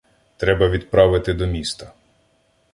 Треба відправити до міста.